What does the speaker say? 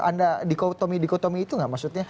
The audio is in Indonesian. anda dikotomi dikotomi itu nggak maksudnya